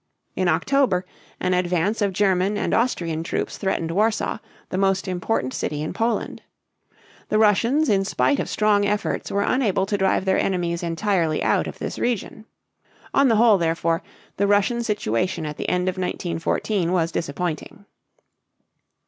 In October an advance of German and Austrian troops threatened Warsaw, the most important city in Poland. The Russians in spite of strong efforts were unable to drive their enemies entirely out of this region. On the whole, therefore, the Russian situation at the end of 1914 was disappointing.